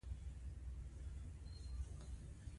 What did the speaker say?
زه فکر کوم موضوع طبیعي نده.